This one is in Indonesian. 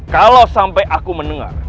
kalau sampai aku mendengar